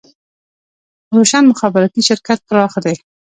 روشن مخابراتي شرکت پراخ دی